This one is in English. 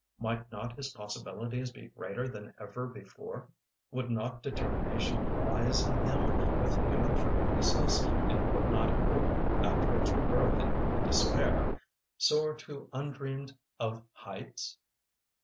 Might not his possibilities be greater than ever before? Would not determination rise in him with new tremendousness, and would not hope, after its rebirth in despair, soar to undreamed of heights?